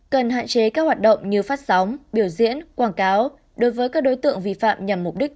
cần hạn chế các hoạt động như phát sóng biểu diễn quảng cáo đối với các đối tượng vi phạm nhằm mục đích